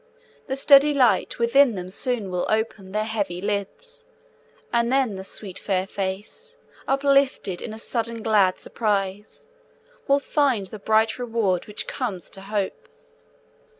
The steady light within them soon will ope Their heavy lids, and then the sweet fair face, Uplifted in a sudden glad surprise, Will find the bright reward which comes to Hope.